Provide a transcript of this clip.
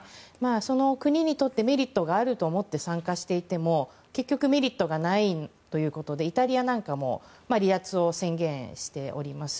その国にとってメリットがあると思って参加していても結局メリットがないということでイタリアも離脱を宣言しております。